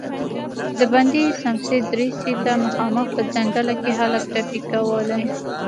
د بندې سمڅې دريڅې ته مخامخ په ځنګله کې هلک ټپې کولې.